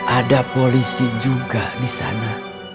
ada polisi juga di sana